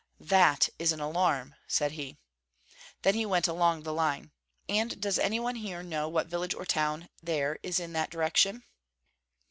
"That is an alarm!" said he. Then he went along the line. "And does any one here know what village or town there is in that direction?"